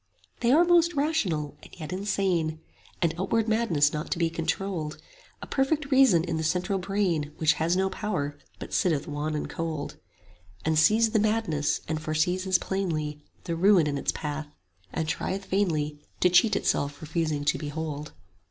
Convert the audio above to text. They are most rational and yet insane: 15 And outward madness not to be controlled; A perfect reason in the central brain, Which has no power, but sitteth wan and cold, And sees the madness, and foresees as plainly The ruin in its path, and trieth vainly 20 To cheat itself refusing to behold.